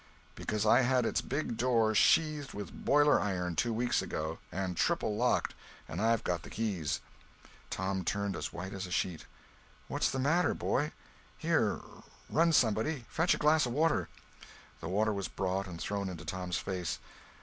"Because I had its big door sheathed with boiler iron two weeks ago, and triple locked—and I've got the keys." Tom turned as white as a sheet. "What's the matter, boy! Here, run, somebody! Fetch a glass of water!" The water was brought and thrown into Tom's face.